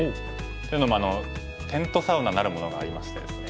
というのもテントサウナなるものがありましてですね。